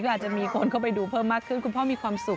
อาจจะมีคนเข้าไปดูเพิ่มมากขึ้นคุณพ่อมีความสุข